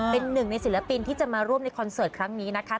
เป็นหนึ่งในศิลปินที่จะมาร่วมในคอนเสิร์ตครั้งนี้นะคะ